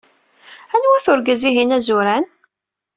Anwa-t urgaz-ihin azuran?